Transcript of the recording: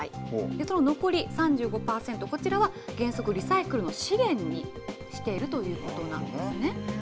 その残り、３５％、こちらは原則、リサイクルの資源にしているということなんですね。